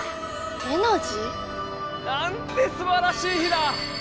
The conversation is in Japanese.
エナジー？なんてすばらしい日だ！